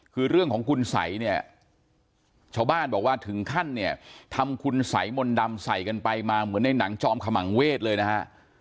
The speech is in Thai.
คือเรื่องของคุณสัยเนี่ยชาวบ้านบอกว่าถึงขั้นเนี่ยทำคุณสัยมนต์ดำใส่กันไปมาเหมือนในหนังจอมขมังเวศเลยนะฮะ